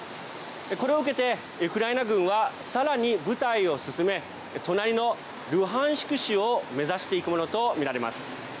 これを受けて、ウクライナ軍はさらに部隊を進め隣のルハンシク州を目指していくものと見られます。